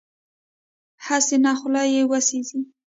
هسې نه خوله یې وسېزي.